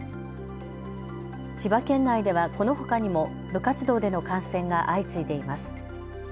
千葉県内ではこのほかにも部活動での感染が相次いでいます。